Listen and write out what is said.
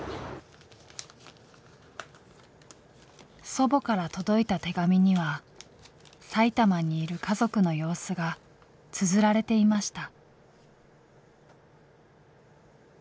祖母から届いた手紙には埼玉にいる家族の様子がつづられていました。